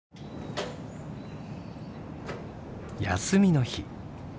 休みの日。